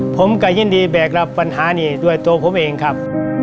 ผมก็ยินดีแบกรับปัญหานี้ด้วยตัวผมเองครับ